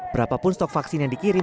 berapapun stok vaksin yang dikirim